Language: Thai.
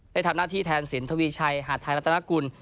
ได้ทำหน้าที่แทนสินทวีชัยหาดไทยรัฐนากุล